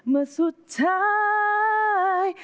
เมื่อสุดท้าย